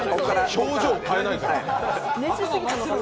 表情変えないから。